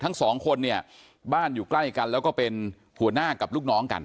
ทั้งสองคนเนี่ยบ้านอยู่ใกล้กันแล้วก็เป็นหัวหน้ากับลูกน้องกัน